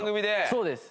そうです！